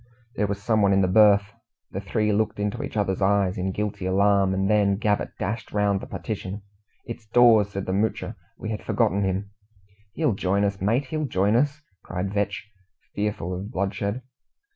There was someone in the berth! The three looked into each other's eyes, in guilty alarm, and then Gabbett dashed round the partition. "It's Dawes!" said the Moocher. "We had forgotten him!" "He'll join us, mate he'll join us!" cried Vetch, fearful of bloodshed.